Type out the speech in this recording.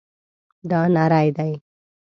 دا نری دی